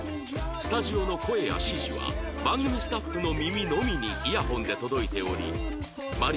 スタジオの声や指示は番組スタッフの耳のみにイヤホンで届いておりま